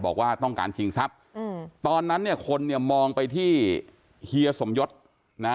บอกว่าต้องการชิงทรัพย์ตอนนั้นเนี่ยคนเนี่ยมองไปที่เฮียสมยศนะ